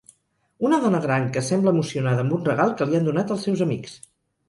Una dona gran que sembla emocionada amb un regal que li han donat els seus amics.